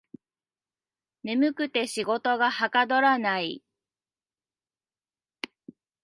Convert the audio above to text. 眠くて仕事がはかどらない